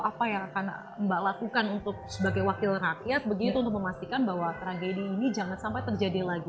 apa yang akan mbak lakukan untuk sebagai wakil rakyat begitu untuk memastikan bahwa tragedi ini jangan sampai terjadi lagi